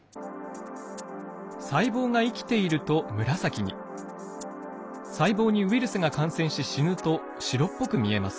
細胞が生きていると紫に細胞にウイルスが感染し死ぬと白っぽく見えます。